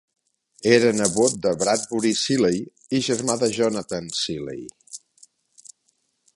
Era nebot de Bradbury Cilley i germà de Jonathan Cilley.